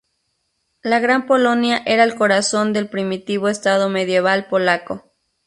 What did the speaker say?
La Gran Polonia era el corazón del primitivo estado medieval polaco.